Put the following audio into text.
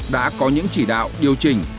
đã có những chỉ đạo điều chỉnh